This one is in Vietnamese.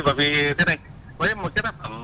bởi vì thế này với một cái tác phẩm